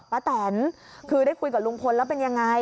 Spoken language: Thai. แตนคือได้คุยกับลุงพลแล้วเป็นยังไง